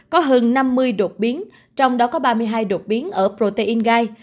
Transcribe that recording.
có hơn năm mươi đột biến trong đó có ba mươi hai đột biến ở protein gai